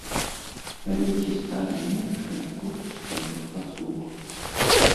Але ці стане меншым кошт саміх паслуг?